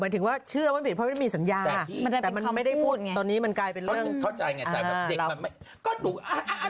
แต่มันไม่ได้พูดตอนนี้มันกลายเป็นเรื่อง